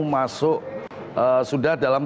masuk sudah dalam